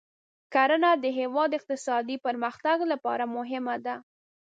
کرنه د هېواد د اقتصادي پرمختګ لپاره مهمه ده.